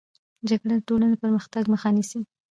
جګړه د ټولني د پرمختګ مخه نيسي.